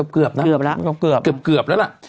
เกือบนะเกือบแล้วล่ะ